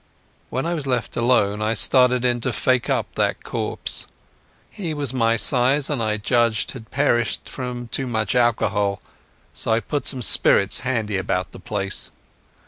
When I was left alone I started in to fake up that corpse. He was my size, and I judged had perished from too much alcohol, so I put some spirits handy about the place.